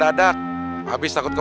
udah tapi makeupnya